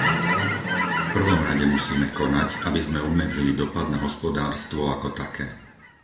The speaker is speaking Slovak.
V prvom rade musíme konať, aby sme obmedzili dopad na hospodárstvo ako také.